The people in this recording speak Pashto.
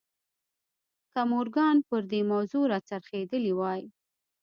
که مورګان پر دې موضوع را څرخېدلی وای.